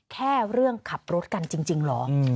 แค่เรื่องขับรถกันจริงเหรอ